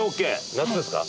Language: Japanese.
夏ですか？